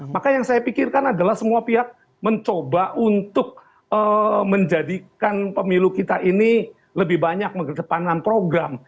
maka yang saya pikirkan adalah semua pihak mencoba untuk menjadikan pemilu kita ini lebih banyak mengedepankan program